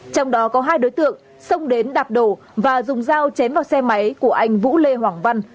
trong đó có hai đối tượng xông đến đạp đổ và dùng dao chém vào xe máy của anh vũ lê hoàng văn